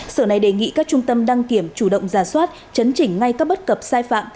sở này đề nghị các trung tâm đăng kiểm chủ động ra soát chấn chỉnh ngay các bất cập sai phạm